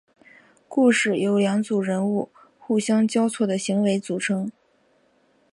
故事由两组人物互相交错的行为组成。